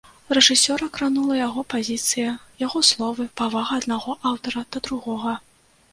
Рэжысёра кранула яго пазіцыя, яго словы, павага аднаго аўтара да другога.